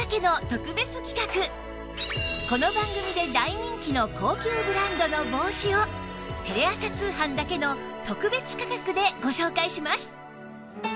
この番組で大人気の高級ブランドの帽子をテレ朝通販だけの特別価格でご紹介します